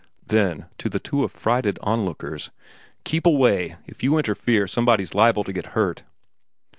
Then, to the two affrighted onlookers: "Keep away! If you interfere, somebody's liable to get hurt."